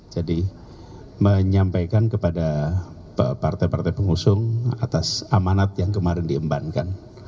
jadi menyampaikan kepada partai partai pengusung atas amanat yang kemarin diembankan